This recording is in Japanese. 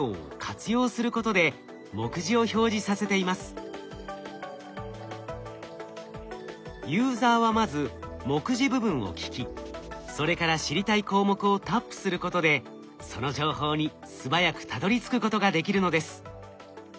このサービスではＣｈａｔＧＰＴのユーザーはまず目次部分を聞きそれから知りたい項目をタップすることでその情報に素早くたどりつくことができるのです。